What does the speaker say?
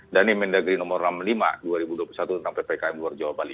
dan ini mendagri nomor enam puluh lima dua ribu dua puluh satu tentang ppkm jawa bali